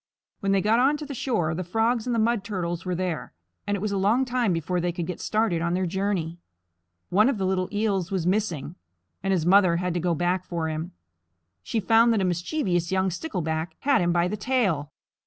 When they got onto the shore, the Frogs and the Mud Turtles were there, and it was a long time before they could get started on their journey. One of the little Eels was missing, and his mother had to go back for him. She found that a mischievous young Stickleback had him by the tail.